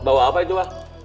bawa apa itu pak